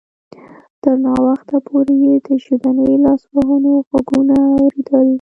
تر ناوخته پورې یې د ژبني لاسوهنو غږونه اوریدل